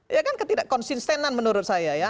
ya kan ketidak konsistenan menurut saya ya